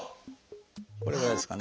これぐらいですかね。